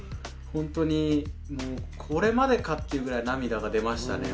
本当にもうこれまでかっていうぐらい涙が出ましたね